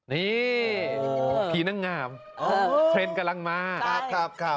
นี่โอ้ผีนั่งงามเทรนด์กำลังมาครับครับครับ